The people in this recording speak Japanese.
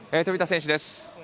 飛田選手です。